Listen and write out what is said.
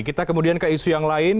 kita kemudian ke isu yang lain